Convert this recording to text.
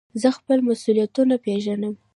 زه خپل مسئولیتونه پېژنم.